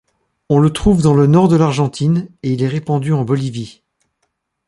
On le trouve dans le nord de l'Argentine et il est répandue en Bolivie.